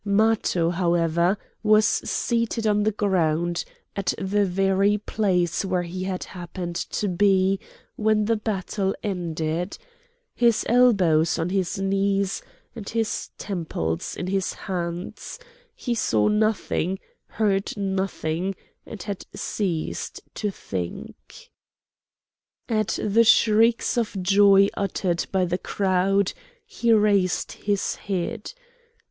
Matho, however, was seated on the ground, at the very place where he had happened to be when the battle ended, his elbows on his knees, and his temples in his hands; he saw nothing, heard nothing, and had ceased to think. At the shrieks of joy uttered by the crowd he raised his head.